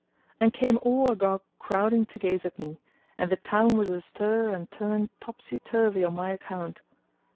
and came all agog crowding to gaze at me, and the town was astir and turned topsy turvy on my account.